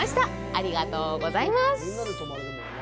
ありがとうございます。